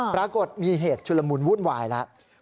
ปรากฏมีเหตุชุลมุนวุ่นวายแล้ว